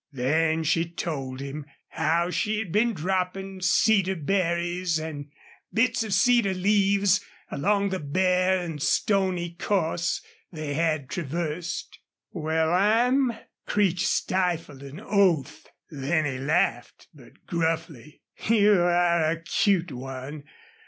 Then she told him how she had been dropping cedar berries and bits of cedar leaves along the bare and stony course they had traversed. "Wal, I'm " Creech stifled an oath. Then he laughed, but gruffly. "You air a cute one.